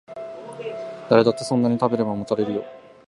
誰だってそんなに食べればもたれるよ